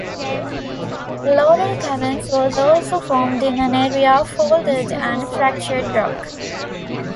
Laurel Caverns was also formed in an area of folded and fractured rock.